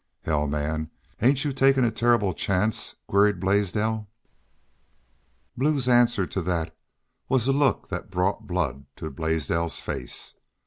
"Hell, man! Aren't y'u takin' a terrible chance?" queried Blaisdell. Blue's answer to that was a look that brought the blood to Blaisdell's face.